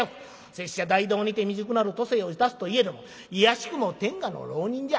拙者大道にて未熟なる渡世をいたすといえどもいやしくも天下の浪人じゃ。